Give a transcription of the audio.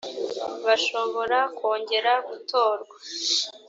bashobora kongera gutorwa .